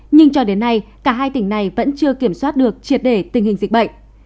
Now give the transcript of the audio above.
nhưng cho đến nay cả hai tỉnh này vẫn chưa kiểm soát được triệt để tình hình dịch bệnh